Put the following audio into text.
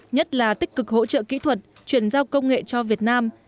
nhất là tích cực hỗ trợ kỹ thuật chuyển giao công nghệ cho việt nam